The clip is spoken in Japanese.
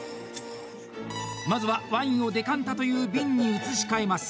まずは、ワインをデカンタという瓶に移し替えます。